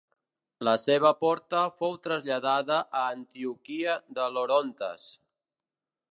La seva porta fou traslladada a Antioquia de l'Orontes.